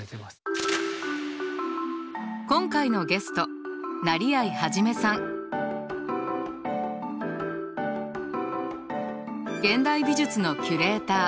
今回のゲスト現代美術のキュレーター。